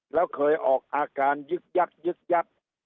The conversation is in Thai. แล้วเคยออกอาการยึกยักยึกยัก